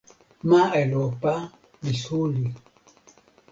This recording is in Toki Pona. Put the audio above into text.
ma Elopa li suli.